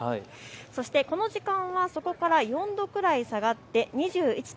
そしてこの時間は、そこから４度くらい下がって２１．４度。